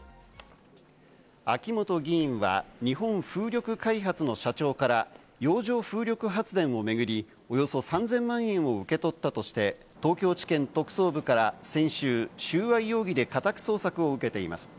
秋本議員は日本風力開発の社長から洋上風力発電を巡り、およそ３０００万円を受け取ったとして、東京地検特捜部から先週、収賄容疑で家宅捜索を受けています。